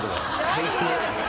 最低。